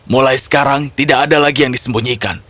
mulai sekarang tidak ada lagi yang disembunyikan